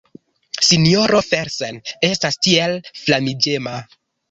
Sinjoro Felsen estas tiel flamiĝema.